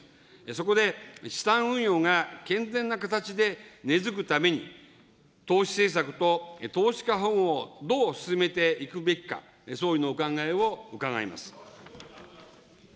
そこで、資産運用が健全な形で根づくために、投資政策と投資家保護をどう進めていくべきか、総理のお考えを伺います。